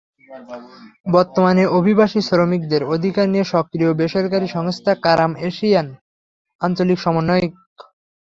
বর্তমানে অভিবাসী শ্রমিকদের অধিকার নিয়ে সক্রিয় বেসরকারি সংস্থা কারাম এশিয়ার আঞ্চলিক সমন্বয়ক।